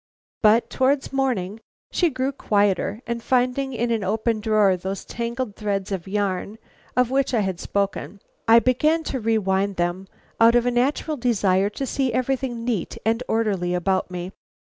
But towards morning she grew quieter, and finding in an open drawer those tangled threads of yarn of which I have spoken, I began to rewind them, out of a natural desire to see everything neat and orderly about me.